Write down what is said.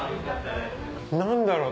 何だろう。